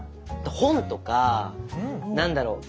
本とか何だろう